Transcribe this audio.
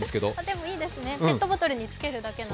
でも、いいですね、ペットボトルに付けるだけで。